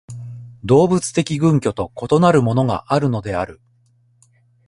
動物的群居と異なるものがあるのである。